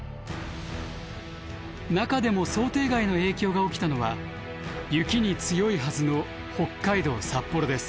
中でも想定外の影響が起きたのは雪に強いはずの北海道札幌です。